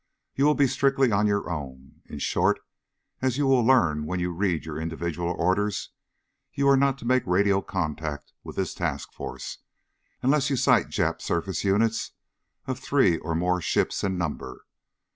You will be strictly on your own. In short, as you will learn when you read your individual orders, you are not to make radio contact with this task force unless you sight Jap surface units of three or more ships in number.